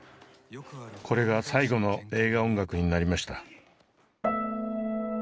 これが最後の映画音楽になりました。